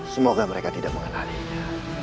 semoga mereka tidak mengenalinya